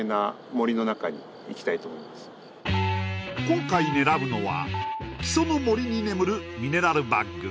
今回狙うのは木曽の森に眠るミネラルバッグ